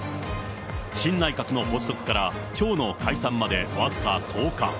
新内閣の発足からきょうの解散まで僅か１０日。